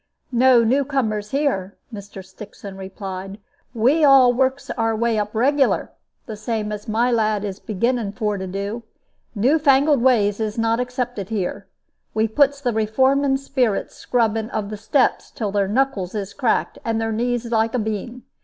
"No new comers here," Mr. Stixon replied; "we all works our way up regular, the same as my lad is beginning for to do. New fangled ways is not accepted here. We puts the reforming spirits scrubbing of the steps till their knuckles is cracked and their knees like a bean.